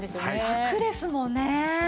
ラクですもんね。